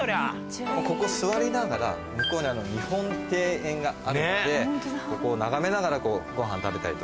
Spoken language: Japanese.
ここ座りながら向こうに日本庭園があるのでここを眺めながらごはん食べたりとか。